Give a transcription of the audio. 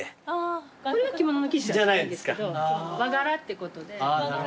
これは着物の生地じゃないんですけど和柄ってことで。